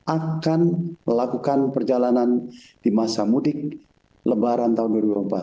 akan melakukan perjalanan di masa mudik lebaran tahun dua ribu empat belas